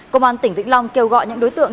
công an tỉnh vĩnh long kêu gọi những đối tượng